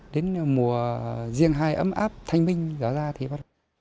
đến mùa riêng hai ấm áp thanh minh rõ ra thì bắt đầu